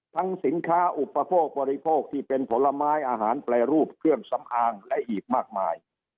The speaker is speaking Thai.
สินค้าอุปโภคบริโภคที่เป็นผลไม้อาหารแปรรูปเครื่องสำอางและอีกมากมาย